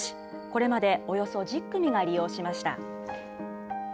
これまでおよそ１０組が利用しました。